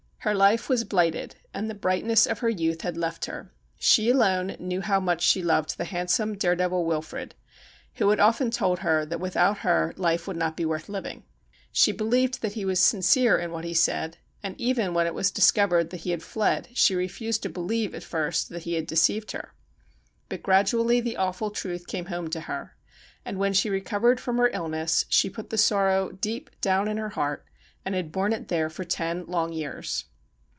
Her life was blighted, and the brightness of her youth had left her. She alone knew how much she loved the handsome, dare devil Wilfrid, who had often told her that without her life would not be worth living. She believed that he was sincere in what he said, and even when it was dis covered that he had fled she refused to believe at first that he had deceived her. But gradually the awful truth came home to her ; and when she recovered from her illness she put the sorrow deep down in her heart, and had borne it there for ten long years.